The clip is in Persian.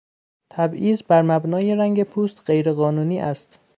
تبعیض برمبنای رنگ پوست غیر قانونی است.